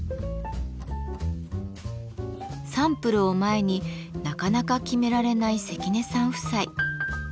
サンプルを前になかなか決められない関根さん夫妻。